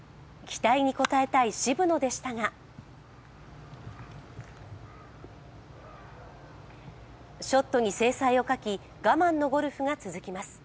期待に応えたい渋野でしたがショットに精彩を欠き我慢のゴルフが続きます。